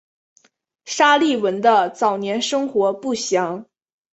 沙利文的早年生活不详。